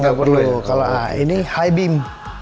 nggak perlu kalau ini hy beam